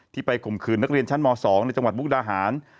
ไปข่มขืนนักเรียนชั้นม๒ในจังหวัดมุกดาหาร